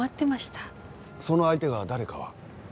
その相手が誰かは？